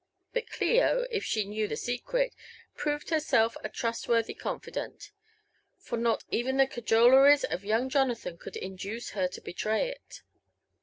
But Clio, if she knew the secret, proved herseU a trustworthy confi dant, for not even the cajoleries of young Jonathan could induce her to betray it.